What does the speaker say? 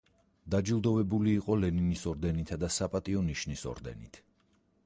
დაჯილდოვებული იყო ლენინის ორდენითა და „საპატიო ნიშნის“ ორდენით.